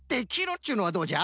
っちゅうのはどうじゃ？